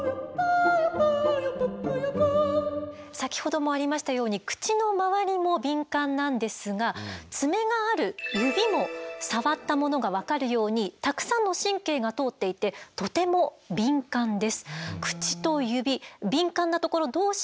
先ほどもありましたように口の周りも敏感なんですが爪がある指も触ったものが分かるようにたくさんの神経が通っていてとても敏感です。